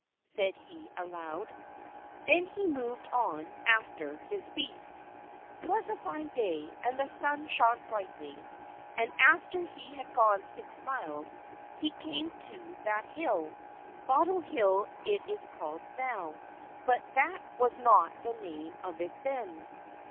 said he aloud. Then he moved on after his beast. 'Twas a fine day, and the sun shone brightly, and after he had gone six miles, he came to that hill Bottle Hill it is called now, but that was not the name of it then.